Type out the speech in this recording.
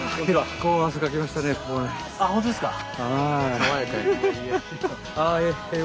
爽やかや。